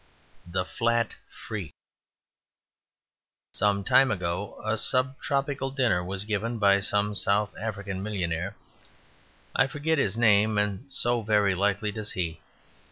The Flat Freak Some time ago a Sub Tropical Dinner was given by some South African millionaire. I forget his name; and so, very likely, does he.